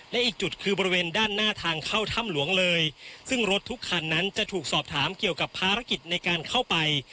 และอีกจุดคือบริเวณด้านหน้าทางเข้าถ้ำหลวงเลยซึ่งรถทุกคันนั้นจะถูกสอบถามเกี่ยวกับภารกิจในการเข้าไป